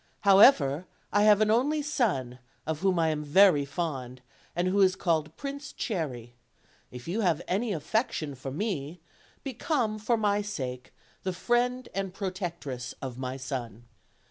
However, I have an only son, of whom I am very fond, and who is called Prince Cherry: if yon have any affection for me, become, for my sake, the friend and protectress of my son."